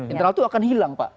internal itu akan hilang pak